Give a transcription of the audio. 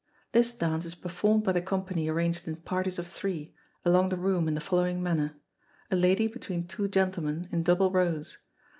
This dance is performed by the company arranged in parties of three, along the room in the following manner: a lady between two gentlemen, in double rows.